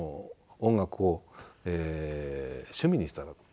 音楽を趣味にしたら？」。